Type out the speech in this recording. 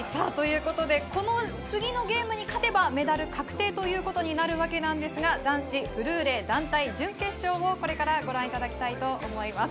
この次のゲームに勝てば、メダル確定ということになるわけですが、男子フルーレ団体、準決勝これからご覧いただきたいと思います。